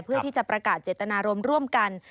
เพื่อที่จะประกาศเจตนารมณ์ร่วมกัน